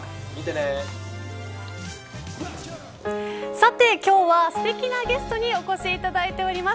さて、今日はすてきなゲストにお越しいただいております。